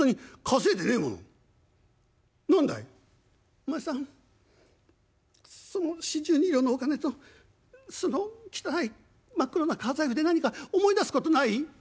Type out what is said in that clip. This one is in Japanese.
「お前さんその４２両のお金とその汚い真っ黒な革財布で何か思い出すことない？」。